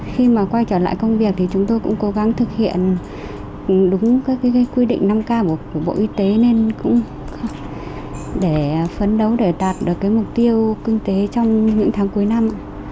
khi mà quay trở lại công việc thì chúng tôi cũng cố gắng thực hiện đúng các quy định năm k của bộ y tế nên cũng để phấn đấu để đạt được cái mục tiêu kinh tế trong những tháng cuối năm